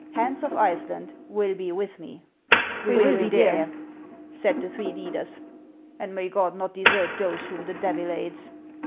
Hans of Iceland will be with ine." " We will be there," said the three leaders. " And may God not desert those whom the Devil aids